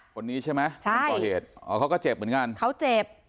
คนนี้ใช่ไหมใช่คนก่อเหตุอ๋อเขาก็เจ็บเหมือนกันเขาเจ็บ